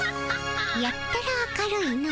やったら明るいの。